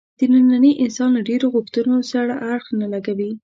د ننني انسان له ډېرو غوښتنو سره اړخ نه لګوي.